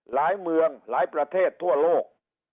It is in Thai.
หลายเมืองหลายประเทศทั่วโลก